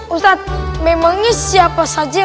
ustadz memangnya siapa saja